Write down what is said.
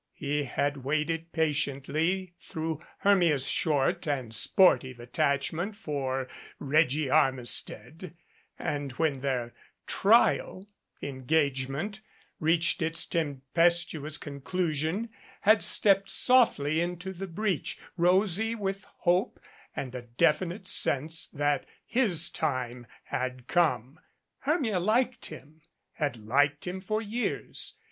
He had waited patiently through Hermia's short and sportive attachment for "Reggie" Armistead, and when their "trial" engagement reached its tempestuous conclu sion, had stepped softly into the breach, rosy with hope and a definite sense that his time had come. Hermia liked him had liked him for years.